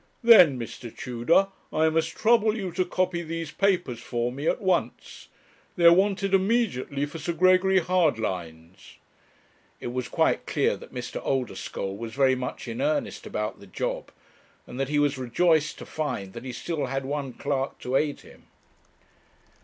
'Then, Mr. Tudor, I must trouble you to copy these papers for me at once. They are wanted immediately for Sir Gregory Hardlines.' It was quite clear that Mr. Oldeschole was very much in earnest about the job, and that he was rejoiced to find that he still had one clerk to aid him.